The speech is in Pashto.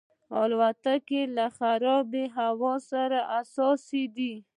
الوتکه له خرابې هوا سره حساسه ده.